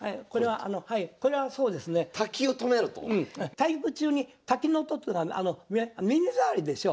対局中に滝の音っていうのは耳障りでしょう？